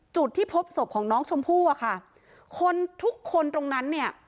จุดที่พบศพของน้องชมพู่อะค่ะคนทุกคนตรงนั้นเนี่ย